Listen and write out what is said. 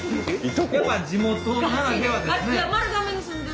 やっぱ地元ならではですね。